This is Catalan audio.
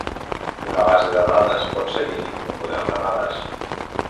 Una base de dades pot seguir un model de dades.